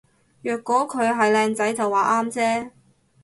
若果佢係靚仔就話啱啫